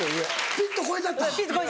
ピット超えちゃった。